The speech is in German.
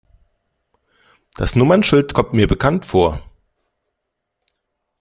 Das Nummernschild kommt mir bekannt vor.